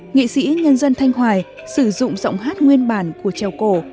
nghệ sĩ nhân dân thanh hoài sử dụng giọng hát nguyên bản của trèo cổ